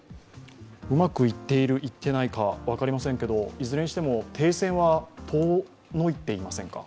うまくいっている、いっていないか分かりませんけれども、いずれにしても停戦は遠のいていませんか？